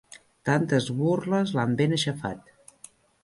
Tantes burles l'han ben aixafat.